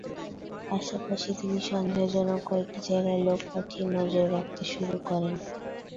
পাশাপাশি তিনি সন্দেহজনক কয়েকটি জায়গায় লোক পাঠিয়ে নজর রাখতে শুরু করেন।